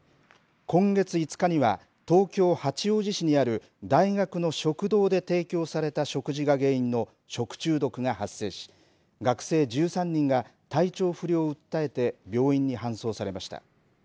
今月５日には東京、八王子市にある大学の食堂で提供された食事が原因の食中毒が発生し学生１３人が体調不良を訴えて病院に搬送されました。